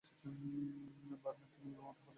Barman, তুমিও তাহলে এসব ধরেছো নাকি?